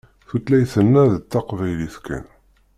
Tutlayt-nneɣ d taqbaylit kan.